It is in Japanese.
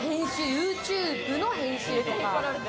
ＹｏｕＴｕｂｅの編集とか。